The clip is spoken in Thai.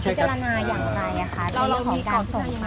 คุณผู้ชมมีความรู้สึกว่าอันนี้เราพัฒนาอย่างไรคะ